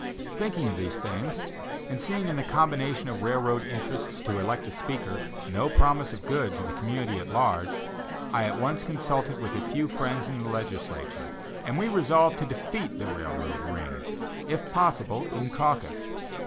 Thinking of these things, and seeing in the combination of railroad interests to elect a speaker, no promise of good to the community at large, I at once consulted with a few friends in the legislature, and we resolved to defeat the railroad "ring," if possible, in caucus.